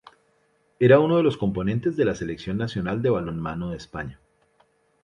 Era uno de los componentes de la selección nacional de balonmano de España.